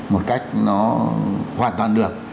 một cách nó hoàn toàn được